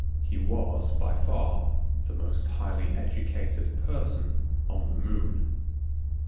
He was by far the most highly educated person on the Moon.